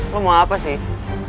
lo mau apa sih